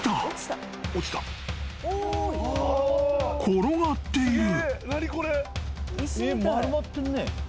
［転がっている］